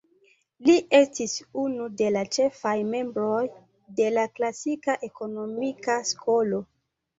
Li estis unu de la ĉefaj membroj de la Klasika ekonomika skolo.